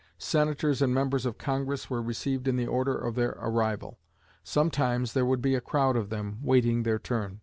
Senators and members of Congress were received in the order of their arrival. Sometimes there would be a crowd of them waiting their turn.